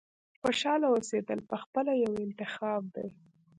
• خوشحاله اوسېدل پخپله یو انتخاب دی.